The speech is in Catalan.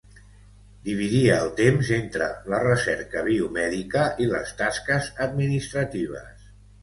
Dividia el temps entre la recerca biomèdica i les tasques administratives.